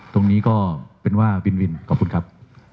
ตรงนี้ก็เป็นว่าวินวินขอบคุณครับ